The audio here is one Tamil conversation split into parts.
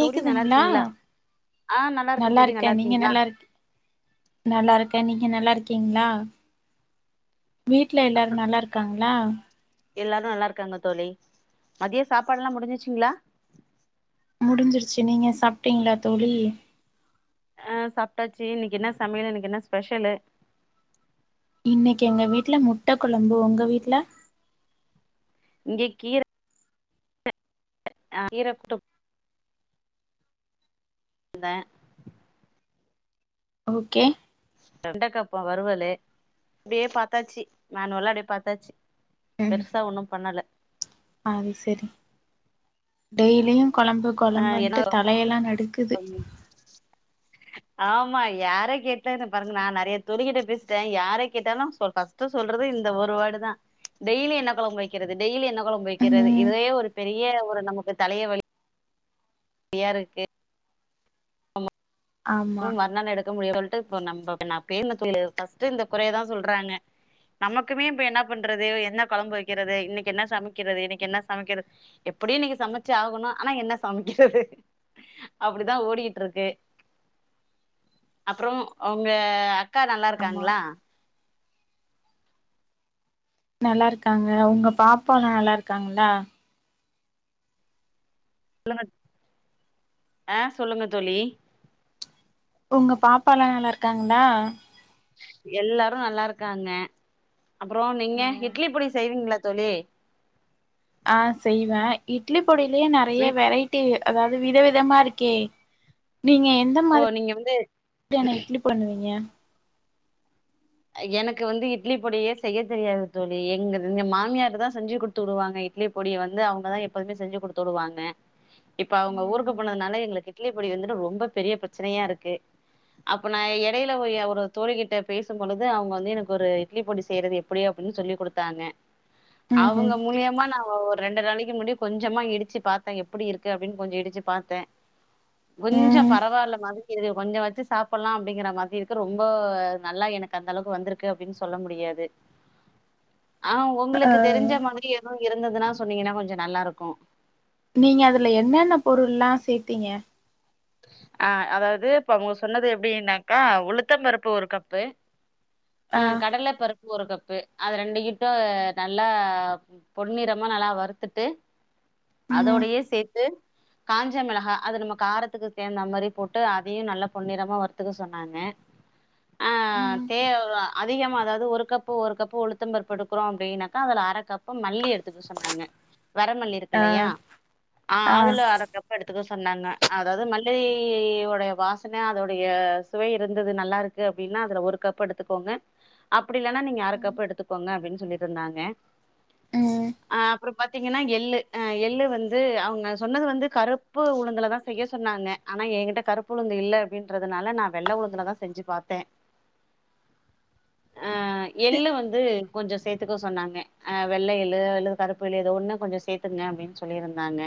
தோழி நல்லா இருக்கீங்களா ஆ இருக்கு நல்லா தோழி இருக்க நீங்க இருக்கீங்களா நல்லாயிருக் நல்லா இருக்க நீங் க நல்லா இருக்கீங்ளா வீட்ல எல்லாரு அப்புற நல்லா இருக்காங்ளா எல்லாரு நல்லா இருக்காங்க தோழி மதியொ சாப்பாடுல்லா முடிஞ்சுச்சுங்ளா முடிஞ்சிருச்சி நீங்க சாப்பிட்டீங்ளா தோழி ஆ சாப்டாச்சு இன்னக்கி என்னா சமையல் இன்னக்கி என்னா ஸ்பெஷலு இன்னக்கி எங்க வீட்ல முட்ட கொழம்பு உங்க வீட்ல இங்க கீர அ கீர குட்டு த ஓகே வெண்டக்கா ப வறுவலு அப்டியே பாத்தாச்சு மேனுவலா அப்டியே பாத்தாச்சு ம் பெருசா ஒன்னும் பண்ணல அது சரி டெய்லியு கொழம்பு கொழம்புன்ட்டு தலையெல்லா நடுக் பள்ளி ஆமா யார கேட்டா இந்தா பாருங்க நா நறைய தோழிக்கிட்ட பேசிட்ட யார கேட்டாலு சொ ஃபஸ்ட்டு சொல்றது இந்த ஒரு வேடுதா டெய்லி என்ன கொழம்பு வெக்கிறது டெய்லி என்ன கொழம்பு வெக்கிறது ம் இதுவே ஒரு பெரிய ஒரு நமக்கு தலைய வலி யா இருக்கு ஆமா க்க முடியு சொல்ட்டு இப்ப நம்ப நா [inaudible] ஃபஸ்ட்டு இந்த குறையதா சொல்றாங்க நமக்குமே இப்ப என்ன பண்றது என்ன கொழம்பு வெக்கிறது இன்னக்கி என்ன சமக்கிறது இன்னக்கி என்ன சமக்கிறது எப்டியு இன்னக்கி சமச்சு ஆகணு ஆனா என்ன சமக்கிறது அப்டிதா ஓடிட்யிட்ருக்கு அப்றோ உங்க அ க்கா நல்லா ஆமா இருக்காங்ளா நல்லா இருக்காங்க உங்க பாப்பால்லா நல்லா இருக்காங்ளா சொல்லுங்க ஆ சொல்லுங்க தோழி உங்க பாப்பால்லா நல்லா இருக்காங்ளா எல்லாரு நல்லா இருக்காங்க அப்பறோ நீங்க இட்லி பொடி செய்வீங்ளா தோழி ஆ செய்வ இட்லி பொடிலயே நறைய வீட் வெரைட்டி அதாவ்து விதவிதமா இருக்கே நீங்க எந்த ஓ மாதிரி நீங்க வந்து [inaudible] இட்லி பண்ணுவீங்க எனக்கு வந்து இட்லி பொடியே செய்ய தெரியாது தோழி எங்க எங்க மாமியாரு தா செஞ்சு குடுத்து உடுவாங்க இட்லி பொடிய வந்து அவுங்கதா எப்பதுமே செஞ்சு குடுத்து உடுவாங்க இப்ப அவ்ங்க ஊருக்கு போனதுனால எங்களுக்கு இட்லி பொடி வந்துட்டு ரொம்ப பெரிய ப்ரச்சனையா இருக்கு அப்ப நா எடையில ஓ ய ஒரு தோழி கிட்ட பேஸ் சம் பொழுது அவ்ங்க வந்து எனக்கு ஒரு இட்லி பொடி செய்றது எப்டி அப்டின் சொல்லிக் குடுத்தாங்க அவுங்க ம்ஹும் மூலியமா நா போ ஒரு ரெண்டு நாளைக்கி முன்னாடி கொஞ்சமா இடிச்சி பாத்த எப்டி இருக்கு அப்டின் கொஞ்சொ இடிச்சி பாத்த கொஞ்சொ ம் பரவாயில்ல மாரி இருக்கு கொஞ்சொ வச்சு சாப்புல்லா அப்டிங்கிற மாதிரி இருக்கு ரொம்போ நல்லா எனக்கு கு அந்தளவுக்கு வந்திருக்கு அப்டின் சொல்ல முடியாது ஆ அ ஒங்களுக்கு தெரிஞ்ச மாத்ரி எதோ இருந்ததுன்னா சொன்னீங்கன்னா கொஞ்சோ நல்லாருக்கூ நீங்க அதுல என்னென்ன பொருள்ல்லா சேத்தீங்க ஆ அதாவ்து இப்ப அவங்க சொன்னது எப்டின்னாக்கா உளுத்தம் பருப்பு ஒரு கப்பு ஆ கடல பருப் பு ஒரு கப்பு அது ரெண்டு கிட்டூ நல்லா பொன்னிறமா நல்லா வறுத்துட்டு ம் அதோடையே சேத்து காஞ்ச மிளகா அது நம்ம காரத் த்துக்கு சேந்த மாரி போட்டு அதையூ நல்லா பொன்னிறமா வற்த்துக்க சொன்னாங்க ஆ ம் தேவ்வா அதிகமா அதாவ்து ஒரு கப்பு ஒரு கப்பு உளுத்தம்பர்ப்பு எடுக்கிறோ அப்டின்னாக்கா அதுல அர கப்பு மல்லி எடுத் துக் சொன்னாங்க வரமல்லி ஆ இருக்குல்லையா ஆ அதுல அர கப் எடுத்துக்கஸ் சொன்னாங்க அதாவ்து மல்லியோடைய வாசன அதோடைய சுவை இருந்தது நல்லாருக்கு அப்டின்னா அதுல ஒரு கப் எடுத்துக்கோங்க அப் ப்டில்லனா நீங்க அர ம் கப்பு எடுத்துகோங்க அப்டின் சொல்லிட்ருந்தாங்க ம். ஆ அப்றோ பாத்தீங்கன்னா எள்ளு எள்ளு வந்து அவுங்க சொன்னது வந்து கருப்பு உளுந்துல தா செய்ய சொன்னாங்க ஆனா எங்கிட்ட கருப்பு உளுந்து இல்ல அப்டின்றதுனால நா வெள்ள உளுந்துலதான் செஞ்சு பாத்தே ஆ எள்ளு வந்து கொஞ்சோ சேத்துக்க சொன்னாங்க ஆ வெள்ள எள்ளு அல்ல கருப்பு எள்ளு ஏதோ ஒன்னு கொஞ்சோ சேத்துங்க அப்டின்னு சொல்லிருந்தாங்க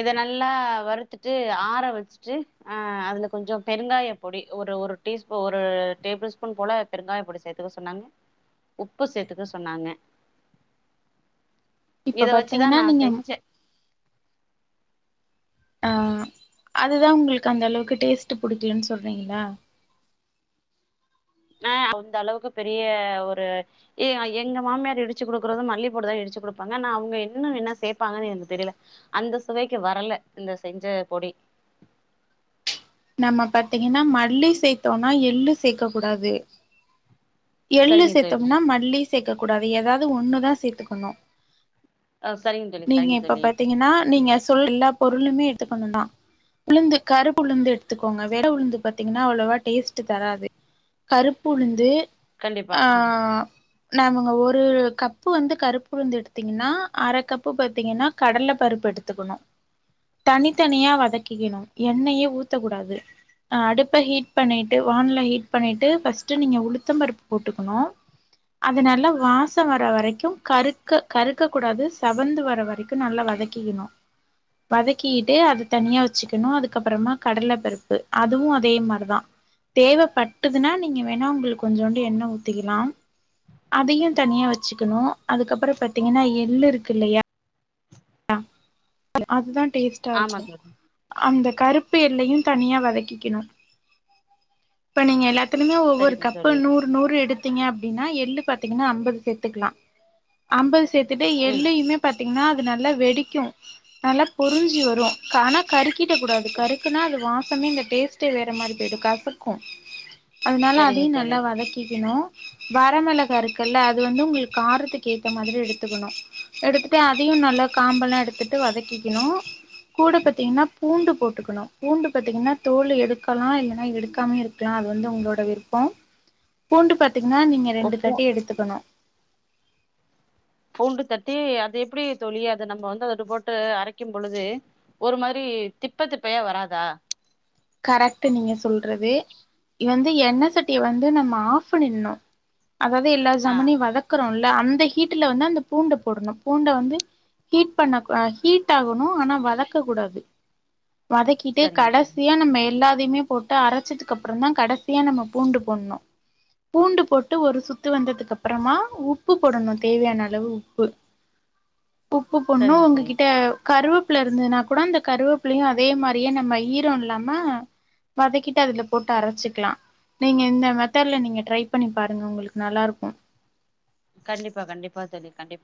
இத நல்லா வறுத்துட்டு ஆற வச்ட்டு ஆ அதுல கொஞ்சோ பெருங்காய பொடி ஒரு ஒரு டீஸ்பூ ஒரு டேபிள் ஸ்பூன் போல பெருங்காய பொடி சேத்துக்க சொன்னாங் உப்பு சேத்துக்க சொன்னாங்க இப்ப இத வச்சுதா பாத்தீங்கன்னா நா நீங்க செஞ்சே அ அதுதா உங்ளுக்கு அந்தளவுக்கு டேஸ்ட் புடிக்கலன் சொல்றீங்களா ஆ அந்தளவுக்கு பெரிய ஒரு இ எங்க மாமியார் இடிச்சு குடுக்குறது மல்லி போட்டுதா இடிச்சு குடுப்பாங்க ஆனா அவுங்க இன்னூ என்ன சேப்பாங்கன்னு எனக்கு தெரில அந்த சுவைக்கு வரல இந்த செஞ்ச பொடி நம்ம பாத்தீங்கன்னா மல்லி சே்த்தோனா எள்ளு சேக்க கூடாது எள்ளு சரிங்க தோழி சேத்தோம்னா மல்லி சேக்க கூடாது ஏதாவ்து ஒன்னுதா சேத்துக்கணூ ஆ சரிங்க தோழி நீங்க சரிங்க இப்ப தோழி பாத்தீங்கன்னா நீங்க சொல் எல்லா பொருளுமே எடுத்துக்கணுன்னா உளுந்து கருப்பு உளுந்து எடுத்துக்கோங்க வெள்ள உளுந்து பாத்தீங்கன்னா அவ்ளவா டேஸ்ட் தராது கருப்பு உளுந்து ஆ நாங்க ஒரு கப்பு வந்து கருப்புளுந்து எடுத்தீங்கன்னா அர கப் ப்பு பாத்தீங்கன்னா கடல பருப்பு எடுத்துக்கணூ தனித்தனியா வதக்கிக்கணூ எண்ணெயே ஊத்தக்கூடாது அடுப்ப ஹீட் பண்ணிட்டு வானல ஹீட் பண்ணிட்டு ஃபஸ்ட் நீங்க உளுத்தம் பருப்பு போட்டுக்கணூ அது நல்லா வாசோ வர வரைக்கூ கருக்க கருக்க கூடாது ஸ் செவந்து வர வரைக்கூ நல்லா வதக்கிக்கணூ வதக்கிட்டு அது தனியா வச்சுக்கணூ அதுக்கப்றமா கடல பருப்பு அதுவூ அதே மாரிதா தேவைப்பட்டுதுன்னா நீங்க வேணா உங்களுக்கு கொஞ்சோண்டு எண்ணெ ஊத்திக்கலா அதையூ தனியா வச்சுக்கணூ அதுக்கப்றோ பாத்தீங்கன்னா எள் இருக் கில்லையா ஆ அதுதான் ஆமா டேஸ்ட்டாருக்கூ தோழி அந்த கருப்பு எள்ளையு தனியா வதக்கிக்கிணு இப்ப நீங்க எல்லா த்த நீங்க ஒவ்வொரு சரிங்க கப்பு தோழி நூறு நூறு எடுத்தீங்க அப்டின்னா ஏ ள்ளு பாத்தீங்கன்னா அம்பது சேத்துக்குலா அம்பது சேத் துட்டு ம் எள்ளையுமே பாத்தீ இன்னார் து நல்லா வெடிக்கு நல்லா பொரிஞ்சு வரு கானா கருக் தீட்டக்கூடாது கருக்குன்னா அது வா ப்பமே இந்த டேஸ்ட்டே வேற மாரி போயிடு கசக்கும் அதனால சரிங்க அதையு தோழி நல்லா வதக்கிக்கிணு வரமிளகா இருக்குல்ல அது வந்து உங்குளுக் காரத்துக்கு ஏத்த மாதிரி எடுத்துக்குணு எடுத்துட்டு அத் தையு நல்லா காம்பல்லா எடுத்துட்டு வதக்கிக்கிணு கூட பாத்தீங்கன்னா பூண்டுப் போட்டுக்குணு பூண்டு பாத்தீங்கன்னா தோல் எடுக்கலா இல்லன்னா எடுக்காம இருக்குலா அது வந்து உங்களோட விருப்போ பூண்டு பாத் த்தீங்கன்னா நீங்க ஓ ரெண்டு பூ தட்டி எடுத்துக்கணு பூண்டு தட்டி அது எப்புடி தோழி அது நம்ப வந்து [unintelligible] போட்டு அரைக்கும் பொழுது ஒரு மாதிரி திப்ப திப்பையா வராதா கரெக்ட்டு நீங்க சொல்றது இவந் து எண்ணெ சட்டிய வந்து நம்ம ஆஃப் பண்ணிட்ணு அதாவது எல்லா ஆ சாமானையும் வதக்குறோல் த அந்த ஹீட்டுல வந்து அந்த பூண்டு போடணும் பூண்ட வந்து ஹீட் பண்ண கு ஹீட் ஆகணும் ஆனா வதக்க கூடாது வதக்கிட்டு சரிங்க கடஸ் தோழி அ நம்ப எல்லாத்தையுமே போட்டு அரச்சதுக்கு அப்புறோந் தா கடசியா நம்ம பூண்டு போட்ணு பூண்டு போட்டு ஒரு சுத்து வந்ததுக்கப்புறமா உப்பு போடணும் தேவையான அளவு உப்பு உப்பு போட்ணு சரிங்க உங்க தோழி கிட்ட கருவேப்புல இருந்ததுனா கூட அந்த கருவேப்புலையு அதே மாரியே நம்ம ஈரோ ல் ல்லாம வதக்கிட்டு அதுல போட்டு அரைச்சுக்குலா நீங்க இந்த மெத்தட்ல நீங்க ட்ரை பண்ணி பாருங்க உங்களுக்கு நல்லா இருக்கும் கண்டிப்பா கண்டிப்பா தோழி கண்டிப்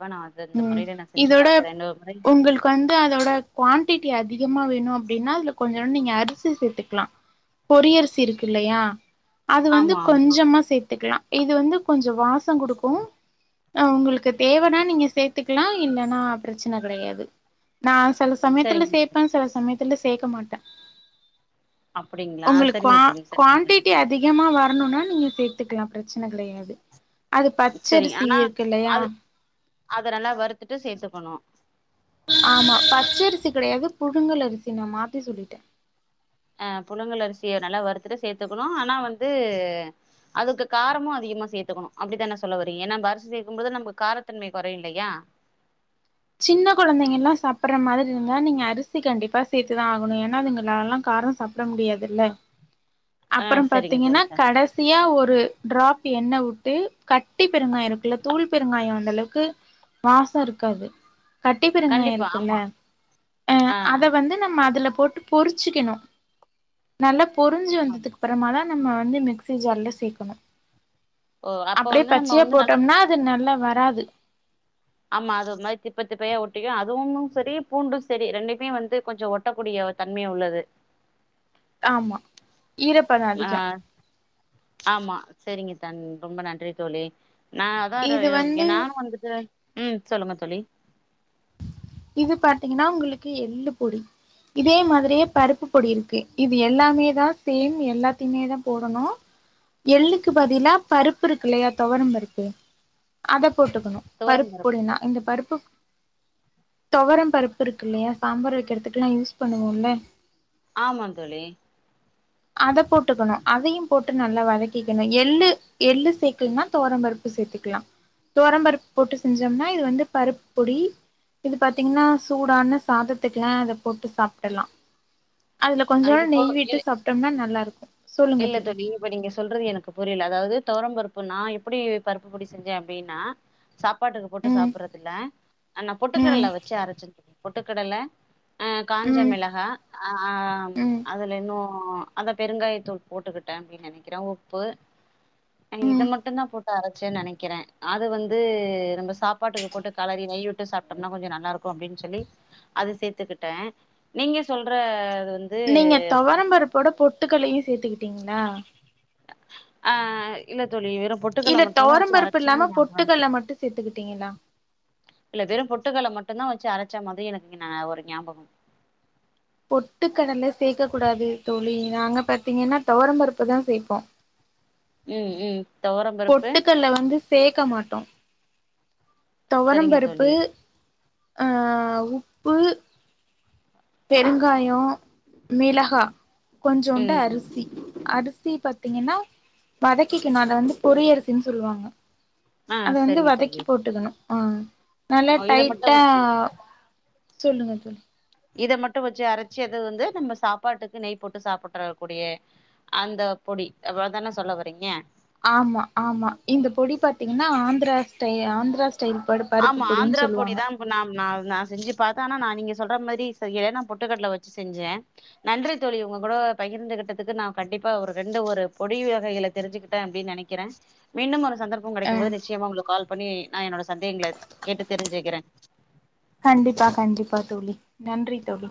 ம் இதோட முறை உங்கள்க்கு வந்து அதோட குவான்டி டி அதிகமா வேணு அப்டின்னா அதுல கொஞ்சோ ன் நீங்க அரிசி சேத்துக்குலா பொரியரசி இருக்கு இல்லையா அது வந்து ஆமா ஆமா கொஞ்சமா சேத்துக்குலா இது வந்து கொஞ்சோ வாசோ குடுக்கும் அ உங்குளுக்கு தேவனா நீங்க ஸ் சேத்துக்குலா இல்லன்னா பிரச்சன கெடையாது நா ஸ் சில சமயத்துல சரிங்க தோழி. சேப்பன் சில சமயத் த்துல சேக்க மாட்டே அப்டிங்களா உங்குளுக் சரிங்க குவா தோழி சரிங்க குவான்டிட்டி தோழி அதிகமா வ பணனுனா நீங்க சேத்துக்கலா பிரச்சன கெடையாது அது சரிங்க பச்சரிசி ஆனா இருக்கு இல்லையா அது அத நல்லா வருத்துட்டு சேர்த்துக்கணு ஆமா பச்சை அரிசி கிடையாது புழுங்கல் அரிசி நா மாத்தி சொல்லிட்டே ஆ புலங்கல் அரிசிய நல்லா வருத்துட்டு சேர்த்துக்கணு ஆனா வந்து அதுக்கு காரமு அதிகமா சேர்த்துக்கணு அப்படித்தானே சொல்ல வரீங்க ஏன்னா அரிசி சேர்க்கும்போது நமக்கு காரத்தன்மை கொறையு இல்லையா சின்ன கொழந்தைங்க எல்லா சாப்பிடுற மாதிரி இருந்தா நீங்க அரிசி கண்டிப்பா சேர்த்துதா ஆகணு ஏன்னா அதுங்களால்லா காரோ சாப்பிட முடியாதுல்ல ஆ அப்புறோ சரிங்க தோழி பாத்தீங்கன்னா சார் கடைசியா ஒரு ட்ராப் எண்ணெ விட்டு கட்டி பெருங்காயோ இருக்குல்ல தூள் பெருங்காயோ அந்த அளவுக்கு வாசோ இருக்காது கட்டி பெருங்காய கண்டிப்பா இருக்குல்ல ஆமா ஆ அத வந்து நம்ம அதுல போட்டு பொறிச்சுக்கணு நல்ல பொரிஞ்சு வந்ததுக்குப் அப்பறமா தா நம்ம வந்து மிக்சி ஜார்ல சேர்க்கணு ஓ அப்ப அப்படியே வந்து நம்ம பச்சையா வந்து நல்லா போட்டோம்னா அது நல்ல வராது ஆம்மா அது ஒரு மாரி திப்ப திப்பயா ஒட்டிக்கு அதுவு சேரி பூண்டு சேரி ரெண்டேமே வந்து கொஞ்சு ஒட்டகூடிய தன்மை உள்ளது ஆமா ஈரப்பத ஆ அதிகோ ஆமா சேரிங்க தன் ரொம்ப நன்றி தோழி நா அதா ரு இது வந்து நானு வந்துட்டு ம் சொல்லுங்க தோளி இது பா்த்தீங்ன்னா உங்களுக்கு எள்ளு பொடி இதே மாதிரியே பருப்பு பொடி இருக்கு இது எல்லாமே தா சேம் எல்லாத்தையுமே தா போடணு எள்ளுக்கு பதிலா பருப்பு இருக்கு இல்லேயா தொவரம் பருப்பு அத போட்டுக்கணு பருப்பு துவரம்பருப்பு போடவேனா இந்த பருப்பு தொவரம் பருப்பு இருக்கு இல்லயா சாம்பார் வெக்கறதுக்கெல்ல யூஸ் பண்ணுவோம்ல ஆமா தோளி அத போட்டுகணு அதையு போட்டு நல்லா வதக்கிக்கணு எள்ளு எள்ளு சேக்கலைனா துவரம்பருப்பு சேர்த்துக்கல துவரம்பருப்பு போட்டு செஞ்சம்னா இது வந்து பருப்பு பொடி இது பாத்தீங்ன்னா சூடான சாதத்துக்ல்ல இத போட்டு சாப்பிடிற்லா அதுல கொஞ்சோன்டு நெய் விட்டு சாப் நல்லா இருக்கு சொல்லுங்க இல்லே தோழி தோளி இப்ப நீங்க சொல்றது எனக்கு புரியல அதாவது தொவரம்பருப் இப்ப நா எப்புடி பருப்புப்பொடி செஞ்சே அப்புடின்னா சாப் சாப்பாட்டுக்கு போட்டு ம் சாப்டடுறதில்லே ஆனா ம் பொட்டுக்கடலை வச்சு அரைச்சிந் பொட்டுகடல ஆ காஞ்ச ம் மிளகா ஆ ஆ ம் அதுல இன்னு அந்த பெருங்காய தூள் போட்டுகிட்டே அப்புடின்னு நெனைக்கிறே உப்பு இத ம் மட்டுதா போட்டு அரைச்சே நெனைக்கிறே அது வந்து நம்ப சாப்பாட்டுக்கு போட்டு கலறி நெய் விட்டு சாப்பிட்டோம்னா கொஞ்சு நல்லா இருக்கு அப்புடின்னு சொல்லி அது சேர்த்துக்கிட்டே நீங்க சொல்ற வந்து நீங்க தொவரம்பருப்போட பொட்டுகடலையு சேர்த்துகிட் தீங்னா ஆஹ் இல்ல தோழி வெறு பொட்டுகல்ல இல்ல மட்டுதா வச்சு துவரம்பருப்பு அரைச்சுன்னு இல்லாம ஞாபகருக்கு பொட்டுக்கல்ல மட்டு சேத்துக்கிட்டீங்களா இல்ல வெறு பொட்டுகல்ல மட்டுதா வச் வச்சு அரைச்சா மாரி எனக்கு நா ஒரு ஞாபகம் பொட்டு கடலே சேக்க கூடாது தோழி நாங்க பாத்தீங்கன்னா துவரம்பருப்புத சேப்போ ம் ம் தொவரம்பருப்பு பொட்டுகல்லே வந்து சேக்க மாட்டோ தொவர சரிங்க பருப்பு தோழி ஆஹ் உப்பு பெருங்காயே மிளகா கொஞ்சோண்டு ம் அரிசி அரிசி சி பாத்தீங்ன்னா வதக்கிக்கனு அத வந்து பொரி அரிசின்னு சொல்லுவாங்க ஆ அத வந்து சரிங்க வதக்கி தோழி போட்டுக்கணு ஆ நல்லா இத டைட்டா மட்டு சொல்லுங்க இத மட்டு வச்சு அரைச்சி அது வந்து நம்ம சாப்பாட்டுக்கு நெய் போட்டு சாப்பட்டுக்கூடிய அந்த பொடி அவ்வளவுதான சொல்ல வரீங்க ஆமா ஆமா இந்த பொடி பாத்தீங்கன்னா ஆந்த்ரா ஸ்டை ஆந்த்ரா ஆமா ஆந்திரா பொடி தான்ணா நா செஞ்சு பாத்தே ஆனா நா நீங்க சொல்ற மாரி சரிய புட்டுக்கடல வச்சு செஞ்சே நன்றி த தோழி உங்க கூட பகிர்ந்துகிட்டக்கு நா கண்டிப்பா ஒரு ரெண்டு ஒரு பொடி வகைக தெரிஞ்சுக்கிட்டே அப்டின்னு நெனைக்கிறே மீண்டும் ஒரு சந்தர்ப்ப அ கெடைக்கும் போது நிச்சியமா உங்களுக்கு கால் பண்ணி நா என்னோட சந்தேகங்கள கேட்டு தெரிஞ்சுக்கிறே கண்டிப்பா கண்டிப்பா தோழி நன்றி தோழி